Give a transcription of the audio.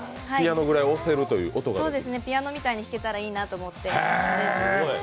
ピアノみたいに弾けたらいいなと思って。